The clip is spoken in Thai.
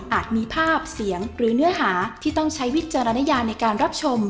มีภาพเสียงหรือเนื้อหาที่ต้องใช้วิจารณญาในการรับชม